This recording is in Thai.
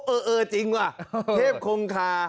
เออจริงวะเทพคงคา